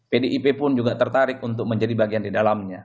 pdip pun juga tertarik untuk menjadi bagian di dalamnya